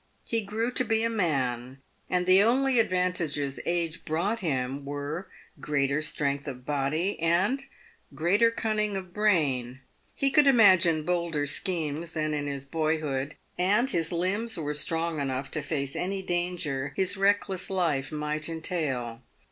He grew to be a man, and the only advantages age brought him were greater strength of body, and greater cunning of brain. He could imagine bolder schemes than in his boyhood, and his limbs w r ere strong enough to face any danger his reckless life might entail.